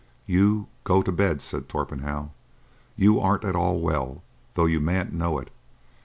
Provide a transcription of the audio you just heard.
"You—go—to—bed," said Torpenhow. "You aren't at all well, though you mayn't know it.